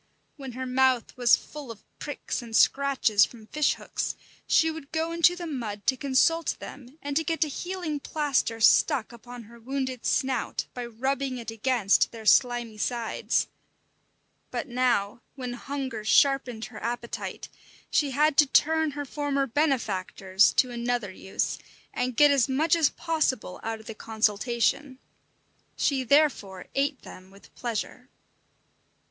When her mouth was full of pricks and scratches from fish hooks, she would go into the mud to consult them and to get a healing plaster stuck upon her wounded snout by rubbing it against their slimy sides; but now, when hunger sharpened her appetite, she had to turn her former benefactors to another use, and get as much as possible out of the consultation. She therefore ate them with pleasure.